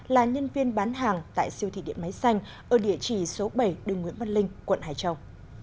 là nhân viên bán hàng tại siêu thị điện máy xanh ở địa chỉ số bảy đường nguyễn văn linh quận hải châu